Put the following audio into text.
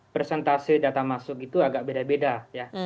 presentase data masuk itu agak beda beda ya